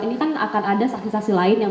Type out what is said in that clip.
ini kan akan ada saksisasi lain yang